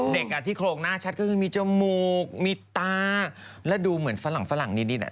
เด็กอ่ะที่โครงหน้าชัดมีจมูกมีตาแล้วดูเหมือนฝรั่งนิดนี่แนน่ะ